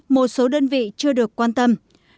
một số đơn vị chưa được quan tâm